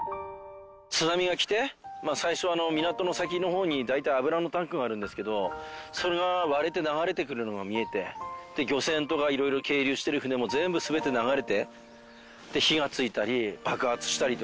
津波がきて最初港の先の方に大体油のタンクがあるんですけどそれが割れて流れてくるのが見えて漁船とか色々係留してる船も全部全て流れて火が付いたり爆発したりとか。